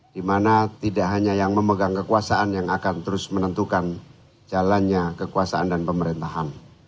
di mana tidak hanya yang memegang kekuasaan yang akan terus menentukan jalannya kekuasaan dan pemerintahan